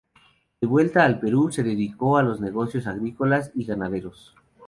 De vuelta al Perú, se dedicó a los negocios agrícolas y ganaderos.